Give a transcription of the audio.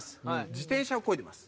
自転車をこいでます。